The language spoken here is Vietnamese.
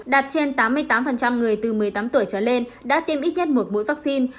đạt trên tám mươi tám người từ một mươi tám tuổi trở lên đã tiêm ít nhất một mũi vaccine